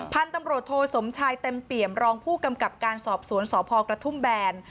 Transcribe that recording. พันธุ์ตำรวจโทสมชายเต็มเปี่ยมรองผู้กำกับการสอบสวนสพกระทุ่มแบน